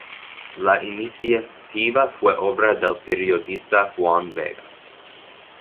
La iniciativa fue obra del periodista Juan Vega.